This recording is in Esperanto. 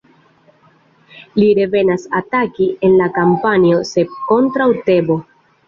Li revenas ataki en la kampanjo "Sep kontraŭ Tebo".